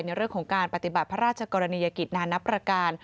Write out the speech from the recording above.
ในเรื่องของการปฏิบัติพระราชกรณียกิจนานนับประการ